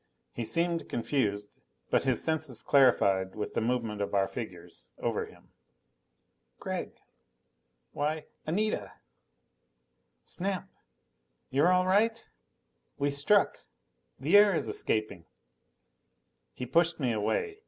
He seemed confused, but his senses clarified with the movement of our figures over him. "Gregg! Why, Anita!" "Snap! You're all right? We struck the air is escaping." He pushed me away.